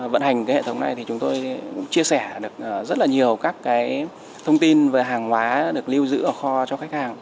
vận hành hệ thống này chúng tôi cũng chia sẻ được rất nhiều thông tin về hàng hóa được lưu giữ ở kho cho khách hàng